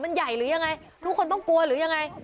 มันใหญ่หรือยังไงทุกคนต้องกลัวหรือยังไง